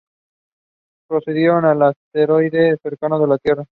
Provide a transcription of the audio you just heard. Poseidon es un asteroide cercano a la Tierra.